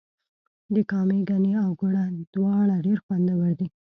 د کامې ګني او ګوړه دواړه ډیر خوندور دي.